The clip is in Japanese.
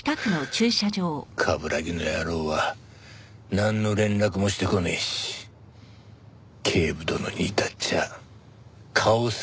冠城の野郎はなんの連絡もしてこねえし警部殿に至っちゃ顔すら見せねえ。